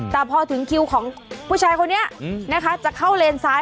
แต่พอถึงคิวของผู้ชายคนนี้นะคะจะเข้าเลนซ้าย